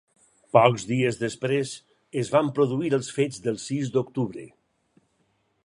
Pocs dies després es van produir els fets del sis d'octubre.